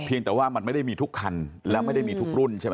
แต่ว่ามันไม่ได้มีทุกคันแล้วไม่ได้มีทุกรุ่นใช่ไหม